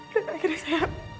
dan akhirnya saya